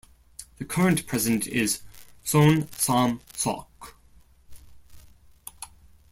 The current president is Son Sam-seok.